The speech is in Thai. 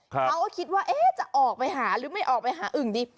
เขาก็คิดว่าจะออกไปหาหรือไม่ออกไปหาอึ่งดี